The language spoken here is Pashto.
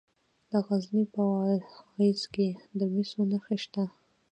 د غزني په واغظ کې د مسو نښې شته.